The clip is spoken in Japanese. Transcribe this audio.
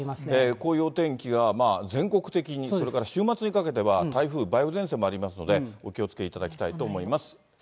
こういうお天気が全国的に、これから週末にかけては台風、梅雨前線もありますので、お気をつけいただきたいと思います。